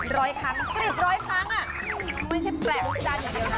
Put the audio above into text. ร้อยครั้งสิบร้อยครั้งอ่ะไม่ใช่แปลกวิธีการอย่างเดียวนะ